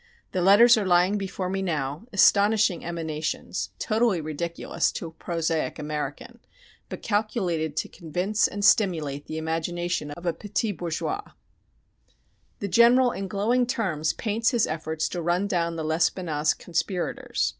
The letters are lying before me now, astonishing emanations, totally ridiculous to a prosaic American, but calculated to convince and stimulate the imagination of a petit bourgeois. The General in glowing terms paints his efforts to run down the Lespinasse conspirators.